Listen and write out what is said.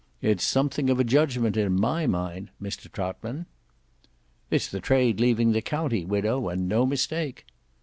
It's something of a judgment in my mind, Mr Trotman." "It's the trade leaving the county, widow, and no mistake."